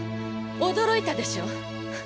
驚いたでしょう！